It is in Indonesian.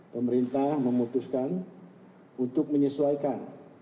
pemerintah memutuskan untuk menyesuaikan